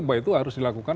baik itu harus dilakukan